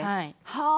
はい。